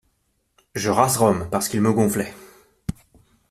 Je rase Rome parce qu'ils me gonflaient.